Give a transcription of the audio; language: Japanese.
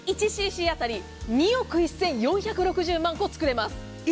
１ｃｃあたり２億２４６０万個作れます。